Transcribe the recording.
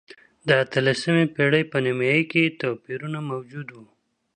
د اتلسمې پېړۍ په نییمایي کې توپیرونه موجود و.